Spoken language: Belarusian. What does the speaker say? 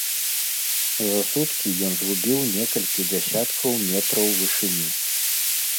За суткі ён згубіў некалькі дзясяткаў метраў вышыні.